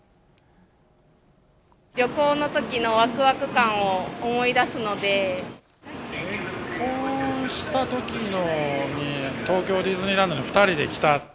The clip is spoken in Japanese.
旅行のときのわくわく感を思結婚したときに、東京ディズニーランドに２人で来た。